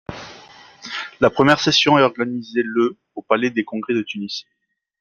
La première session est organisée le au palais des congrès de Tunis.